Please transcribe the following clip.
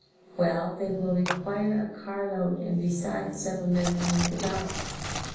Well, they will require a car load and besides several men to hunt the dogs.